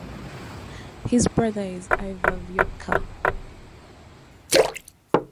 His brother is Aivar Voitka.